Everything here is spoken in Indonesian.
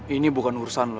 ini bukan urusan lo